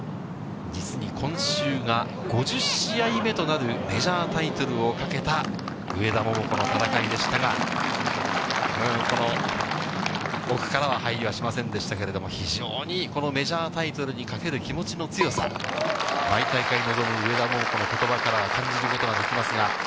実に今週が５０試合目となるメジャータイトルをかけた、上田桃子の戦いでしたが、この奥からは入りはしませんでしたけれども、非常にこのメジャータイトルにかける気持ちの強さ、毎大会臨む上田桃子のことばから感じることができますが。